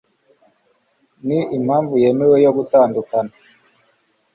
ni impamvu yemewe yo gutandukana